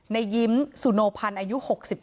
นายิ้มสุโนพันอายุ๖๓